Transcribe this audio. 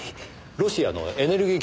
ロシアのエネルギー